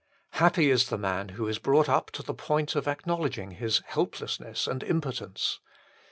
Happy is the man who is brought up to the point of acknowledging his helplessness and impotence.